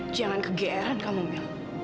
jangan kegeeran kamu nia